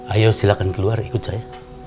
ayo silakan keluar ikut saya